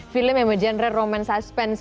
film yang bergenre roman suspense